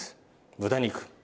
豚肉。